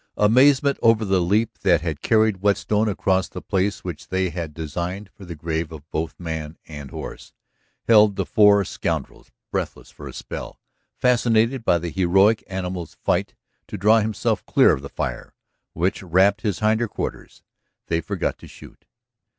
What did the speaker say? Amazement over the leap that had carried Whetstone across the place which they had designed for the grave of both man and horse, held the four scoundrels breathless for a spell. Fascinated by the heroic animal's fight to draw himself clear of the fire which wrapped his hinder quarters, they forgot to shoot.